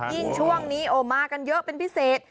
ยิ่งช่วงนี้โอ้มากันเยอะเป็นพิเศษ